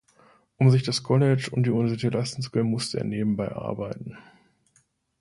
Um sich das College und die Universität leisten zu können, musste er nebenbei arbeiten.